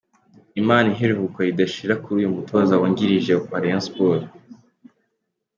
Imana ihe iruhuko ridashira kuri uyu mutoza wungirije wa Rayon Sports.